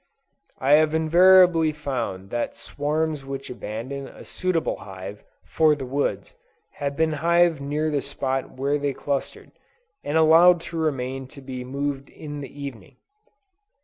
I have invariably found that swarms which abandon a suitable hive for the woods, have been hived near the spot where they clustered, and allowed to remain to be moved in the evening.